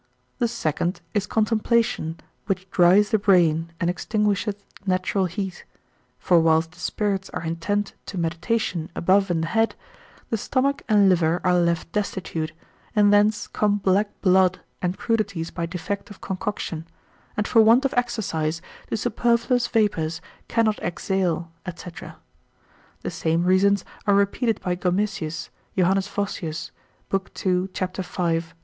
The second is contemplation, which dries the brain and extinguisheth natural heat; for whilst the spirits are intent to meditation above in the head, the stomach and liver are left destitute, and thence come black blood and crudities by defect of concoction, and for want of exercise the superfluous vapours cannot exhale, &c. The same reasons are repeated by Gomesius, lib. 4, cap. 1, de sale Nymannus orat. de Imag. Jo. Voschius, lib. 2, cap.